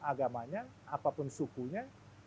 agamanya apapun sukunya